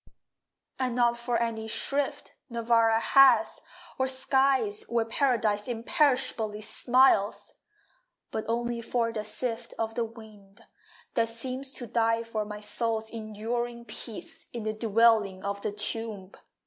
And not for any shrift Nirvana has, or skies Where Paradise imperishably smiles. But only for the sift Of the wind, that seems to die for My soul's enduring peace In the dwelling of the Tomb.